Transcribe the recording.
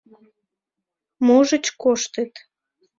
— Можыч, коштыт...